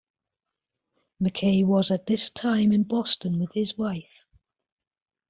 MacKay was at this time in Boston with his wife.